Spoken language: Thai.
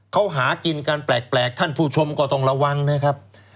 เขาหากินกันแปลกท่านผู้ชมก็ต้องระวังนะครับ